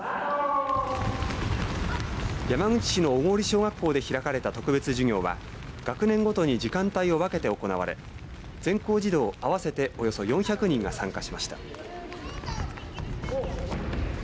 山口市の小郡小学校で開かれた特別授業は学年ごとに時間帯を分けて行われ全校児童合わせておよそ４００人が参加しました。